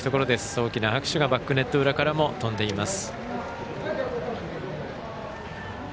大きな拍手がバックネット裏からも飛んでいます。